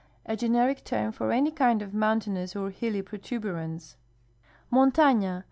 — A generic term for any kind of mountainous or hilly pro tuberance. Montana.